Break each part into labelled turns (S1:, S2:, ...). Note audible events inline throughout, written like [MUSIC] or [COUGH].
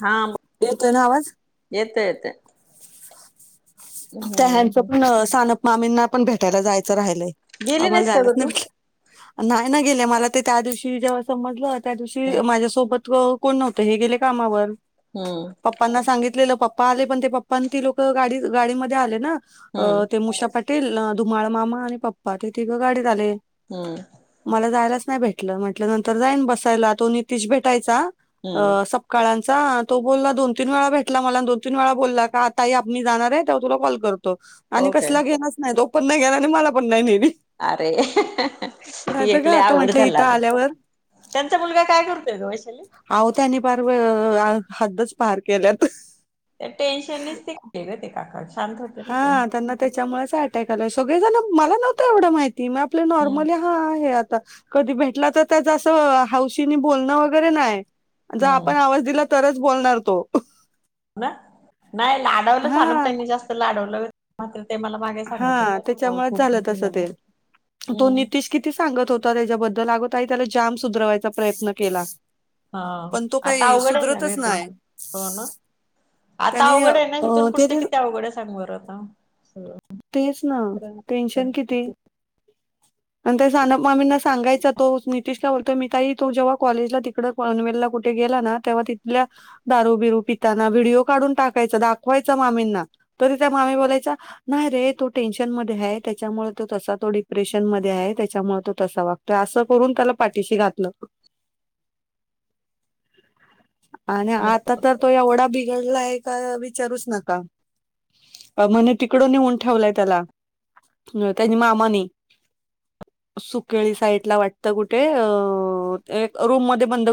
S1: हाब
S2: येतोय ना आवाज
S1: येते येते.
S2: त्या ह्यांच
S1: हम्म
S2: पण सानप मामींना पण भेटायला जायचं राहिलंय.
S1: गेली
S2: आवो मला
S1: नाहीस का
S2: जायलाच
S1: ग
S2: नाय
S1: तू
S2: भेटलं, नाय ना गेले मला ते त्या दिवशी जेव्हा समजलं त्या
S1: हम्म
S2: दिवशी माझ्यासोबत अ कोण नव्हतं, हे गेले कामावर.
S1: हम्.
S2: पप्पांना सांगितलेलं पप्पा आले, पण ते पप्पान ती लोक गाडी- गाडीमध्ये आले ना.
S1: हम्म
S2: अ ते मुषा पाटील, धुमाळ मामा आणि पप्पा ते तिघं गाडीत आले.
S1: हम्म.
S2: मला जायलाच नाही भेटलं म्हटलं नंतर जाईन बसायला तो नितीश भेटायचा अ
S1: हम्म
S2: सप काळांचा, तो बोलला दोन तीन वेळा भेटला मला दोन तीन वेळा बोलला का ताई आप मी जाणारए. तेव्हा तुला कॉल करतो, आणि
S1: ओके
S2: कसला घेणाच नाय तो, तो पण नाय गेणा आणि मला पण नाय नेली.
S1: अरे ह ह ह. ती
S2: नाहीतर
S1: एक
S2: काय
S1: लय
S2: आता
S1: आवघड
S2: म्हंटलं
S1: झाल
S2: इथं
S1: आग.
S2: आल्यावर
S1: त्यांचा मुलगा काय करतोय ग वैशाली?
S2: आवो त्यांनी पार व अ हद्दच पार केल्यान.
S1: त्या टेन्शननेच ते [UNINTELLIGIBLE] ते काका शांत हो
S2: हा त्यांना त्याच्यामुळेच अटॅक आलाय, सगळेजण मला नव्हतं एवढं माहिती मी आपल
S1: हम्म
S2: नॉर्मली हा आहे आता, कधी भेटला तर त्याच असं हौशीन बोलणं वगैरे नाय. ज
S1: हम्म
S2: आपण आवाज दिला तरच बोलणार तो.
S1: ना नाय लाडवलं
S2: हा
S1: सानम त्यांनी जास्त लाढवलं. मात्र ते मला मागे सांगत
S2: हा
S1: होत्या
S2: त्याच्यामुळेच
S1: खूप [UNINTELLIGIBLE] झालं, हम्म.
S2: कीती सांगत होता त्यांच्याबद्दल अग ताई त्याला जाम सुधरवायचा प्रयत्न केला.
S1: हा,
S2: पण तो
S1: आता
S2: काही
S1: आवघड हेना ग
S2: सुधरतच नाही
S1: [UNINTELLIGIBLE] हो ना आता
S2: त्यानी
S1: आवघड
S2: अ,
S1: हाय ना इथून
S2: ते
S1: पुढचं किती आवघड हाय सांग बर आता. सगळं
S2: तेच ना, टेंशन किती?
S1: [INAUDIBLE]
S2: आणि त्या सानप मामींना सांगायचा तो नितीशला बोलतोय मी ताई तु जेव्हा कॉलेजला ती इकड पणवेलला कुठे गेला ना तेव्हा तिथल्या दारू बिरू पिताना व्हिडिओ काढून टाकायचा, दाखवायचा मामींना तरी त्या मामी बोलायच्या न्हाय रे तो टेन्शन मध्ये हाय, त्याच्यामुळे तो तसा तो डिप्रेशन मध्ये हाय त्याच्यामुळे तो तसा वागतो. त असं करून त्याला पाठिशी घातलं. आणि आता तर
S1: हॅलो
S2: तो एवढा बिघडलाय का विचारूच नका म्हणे तिकड नेऊन ठेवलाय त्याला अ त्यानी मामानी सुकळी साईट ला वाटतं कुठे अ अ रूम मध्ये बंद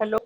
S1: हॅलो,